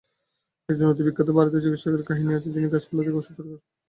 একজন অতি বিখ্যাত ভারতীয় চিকিৎসকের কাহিনী আছে, যিনি গাছপালা থেকে অষুধ তৈরি করতেন।